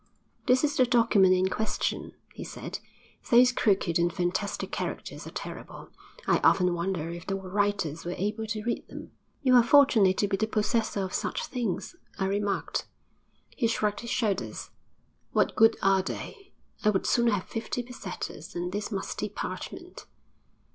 'This is the document in question,' he said. 'Those crooked and fantastic characters are terrible. I often wonder if the writers were able to read them.' 'You are fortunate to be the possessor of such things,' I remarked. He shrugged his shoulders. 'What good are they? I would sooner have fifty pesetas than this musty parchment.'